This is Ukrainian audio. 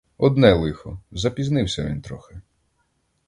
Одне лихо, запізнився він трохи.